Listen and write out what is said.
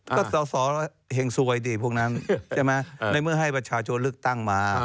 ก็สวเฮงสวยดิพวกนั้นใช่มั้ยในเมื่อให้ประชาชนลึกตั้งมา